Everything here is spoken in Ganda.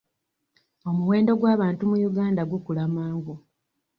Omuwendo gw'abantu mu Uganda gukula mangu.